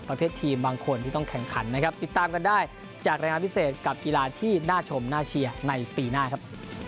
ประเภททีมบางคนที่ต้องแข่งขันนะครับติดตามกันได้จากรายงานพิเศษกับกีฬาที่น่าชมน่าเชียร์ในปีหน้าครับ